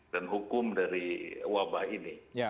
dan hukum dari wabah ini